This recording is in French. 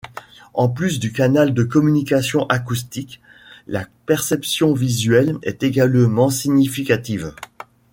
En plus du canal de communication acoustique, la perception visuelle est également significative.